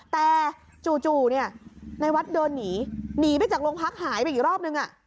แต่จู่เนี่ยในวัดเดินหนีหนีไปจากโรงพักหายไปอีกรอบนึง